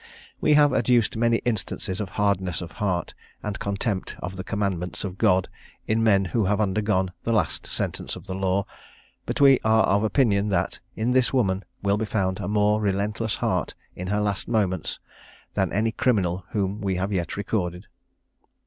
We have adduced many instances of hardness of heart, and contempt of the commandments of God, in men who have undergone the last sentence of the law; but we are of opinion that in this woman will be found a more relentless heart, in her last moments, than any criminal whom we have yet recorded.